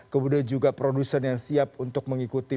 kemudian juga produsen yang siap untuk mengikuti